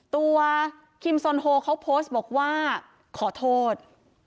คิมซนโฮเขาโพสต์บอกว่าขอโทษ